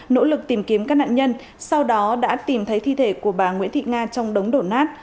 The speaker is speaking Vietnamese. nỗ lực tìm kiếm các nạn nhân sau đó đã tìm thấy thi thể của bà nguyễn thị nga trong đống đổ nát